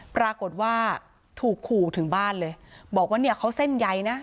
ปรากฏว่าถูกขู่ถึงบ้านเลยบอกว่าเนี่ยเขาเส้นใยนะ